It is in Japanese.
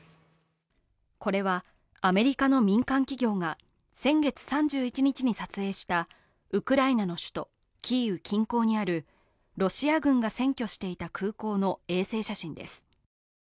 これはアメリカの民間企業が先月３１日に撮影したウクライナの首都キーウ近郊にある、ロシア軍が占拠していた空港の衛星写真です。